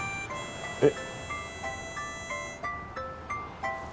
えっ？